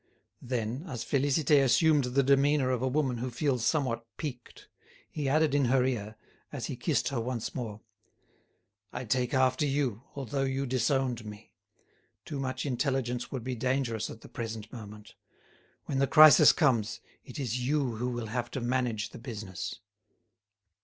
Then, as Félicité assumed the demeanour of a woman who feels somewhat piqued, he added in her ear, as he kissed her once more: "I take after you, although you disowned me. Too much intelligence would be dangerous at the present moment. When the crisis comes, it is you who will have to manage the business."